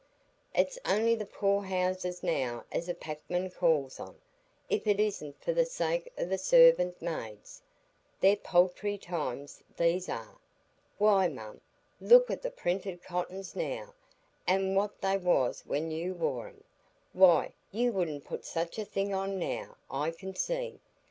It's on'y the poor houses now as a packman calls on, if it isn't for the sake o' the sarvant maids. They're paltry times, these are. Why, mum, look at the printed cottons now, an' what they was when you wore 'em,—why, you wouldn't put such a thing on now, I can see.